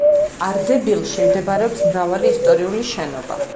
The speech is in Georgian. არდებილში მდებარეობს მრავალი ისტორიული შენობა.